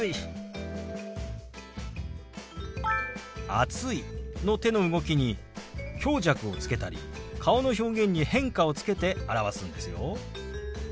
「暑い」の手の動きに強弱をつけたり顔の表現に変化をつけて表すんですよ。